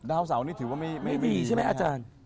ดาวเสาร์นี่ถือว่าไม่ดีใช่มั้ยอาจารย์